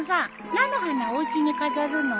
菜の花おうちに飾るの？